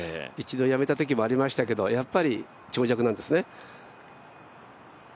一度やめたときもありましたけどやっぱり長尺なんですね。